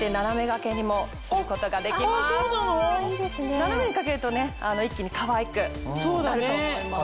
ななめに掛けると一気にかわいくなると思います。